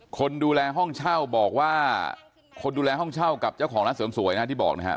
คนดูแลห้องเช่าบอกว่าคนดูแลห้องเช่ากับเจ้าของร้านเสริมสวยนะที่บอกนะฮะ